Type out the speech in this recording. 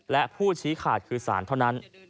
และผู้ชี้ขาดคือสารเท่านั้น